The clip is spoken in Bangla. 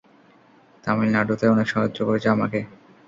তামিলনাড়ুতে অনেক সাহায্য করেছে আমাকে।